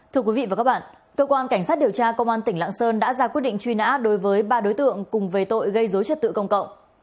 thưa quý vị và các bạn cơ quan cảnh sát điều tra công an tỉnh lạng sơn đã ra quyết định truy nã đối với ba đối tượng cùng về tội gây dối trật tự công cộng